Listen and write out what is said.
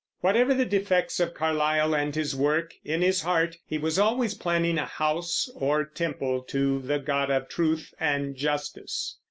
Whatever the defects of Carlyle and his work, in his heart he was always planning a house or temple to the God of truth and justice.